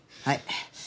はい。